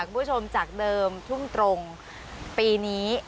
คุณผู้ชมจากเดิมทุ่มตรงปีนี้